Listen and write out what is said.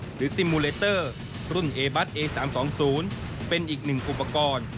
หรือซิมูเลเตอร์รุ่นเอบัสเอสามสองศูนย์เป็นอีกหนึ่งอุปกรณ์